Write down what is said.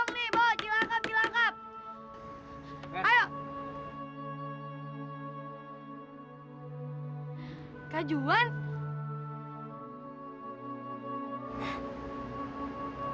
kamu percaya tak berangkat terus